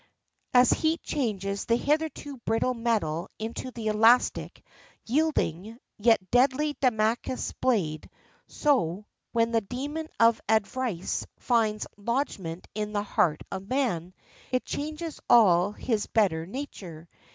As heat changes the hitherto brittle metal into the elastic, yielding, yet deadly Damascus blade, so, when the demon of avarice finds lodgment in the heart of man, it changes all his better nature.